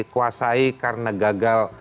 kuasai karena gagal